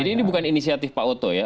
jadi ini bukan inisiatif pak otto ya